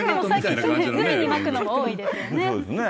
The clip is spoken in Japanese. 海にまくのも多いですよね。